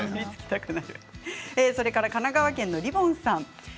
神奈川県の方です。